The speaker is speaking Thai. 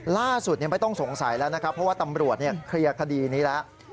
ล่าสุดไม่ต้องสงสัยแล้วนะครับเพราะว่าตำรวจเคลียร์คดีนี้แล้ว